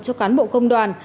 cho cán bộ công đoàn